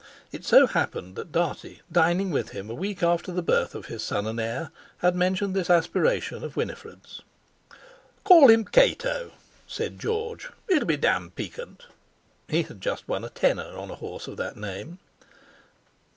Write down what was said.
It so happened that Dartie, dining with him a week after the birth of his son and heir, had mentioned this aspiration of Winifred's. "Call him Cato," said George, "it'll be damned piquant!" He had just won a tenner on a horse of that name.